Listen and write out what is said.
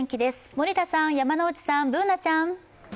森田さん、山内さん、Ｂｏｏｎａちゃん。